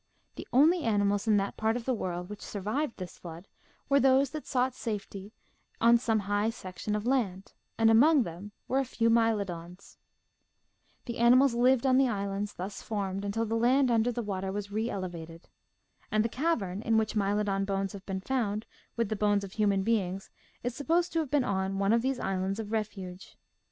The only animals in that part of the world which survived this flood were those that sought safety on some high section of land, and among them were a few Mylodons. The ani mals lived on the islands thus formed until the land under the water was reelevated. And the cavern in which Mylodon bones have been found with the bones of human beings is supposed to have been on one of these islands of refuge.